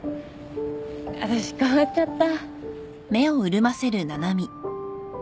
あたし変わっちゃった。